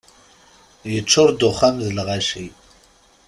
Yeččur-d uxxam d lɣaci.